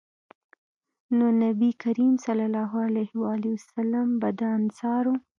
نو نبي کريم صلی الله علیه وسلّم به د انصارو